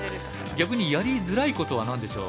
逆にやりづらいことは何でしょう？